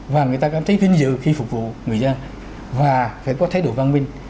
và người ta cảm thấy vinh dự khi phục vụ người dân và phải có thái độ văn minh